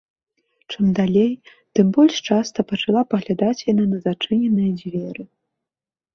Чым далей, тым больш часта пачала паглядаць яна на зачыненыя дзверы.